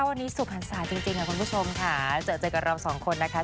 วันนี้สุขภัณฑ์สายจริงจริงค่ะคุณผู้ชมค่ะเจอเจอกันกันเราสองคนนะคะ